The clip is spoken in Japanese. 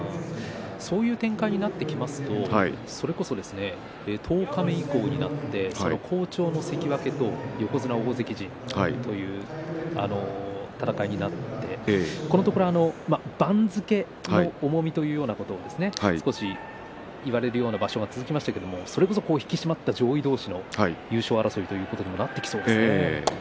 そういう展開になってきますとそれこそ十日目以降になって好調の関脇と横綱大関陣という戦いになってこのところ番付の重みというようなことを少し言われるような場所が続きましたけれどもそれこそ引き締まった上位同士の優勝争いということにもなってきそうですね。